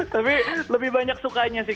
tapi lebih banyak sukanya sih